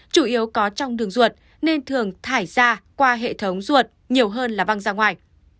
chủ yếu có trong đường ruột nên thường thải ra qua hệ thống ruột nhiều hơn là văng ra ngoài